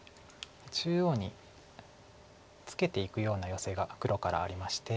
中央にツケていくようなヨセが黒からありまして。